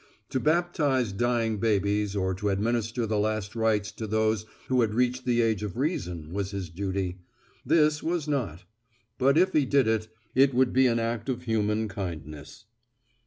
To baptize dying babies or to administer the last rites to those who had reached the age of reason was his duty. This was not. But if he did it, it would be an act of human kindness.